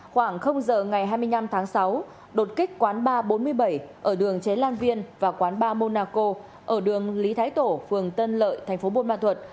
khoảng giờ ngày hai mươi năm tháng sáu đột kích quán ba trăm bốn mươi bảy ở đường chế lan viên và quán ba monaco ở đường lý thái tổ phường tân lợi thành phố buôn ma thuật